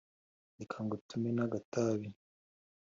Reka ngutume n'agatabi